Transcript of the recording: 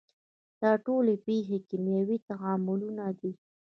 دا ټولې پیښې کیمیاوي تعاملونه دي.